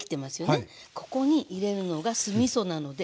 ここに入れるのが酢みそなのでお酢。